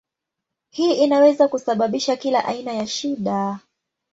Hii inaweza kusababisha kila aina ya shida.